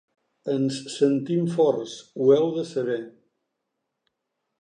Ens sentim forts, ho heu de saber.